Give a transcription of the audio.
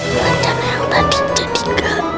bacaan yang tadi jadi gak